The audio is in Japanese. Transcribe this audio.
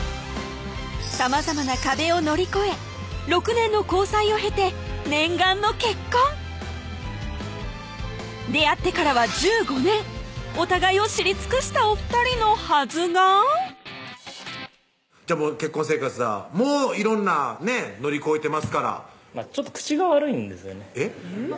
さまざまな壁を乗り越え６年の交際を経て念願の結婚出会ってからは１５年お互いを知り尽くしたお２人のはずがじゃあ結婚生活はもう色んなね乗り越えてますからちょっと口が悪いんですよねえっ？